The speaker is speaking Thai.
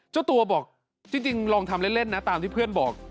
เจ้าตัวบอกจริงลองทำเล่นนะตามที่เพื่อนบอก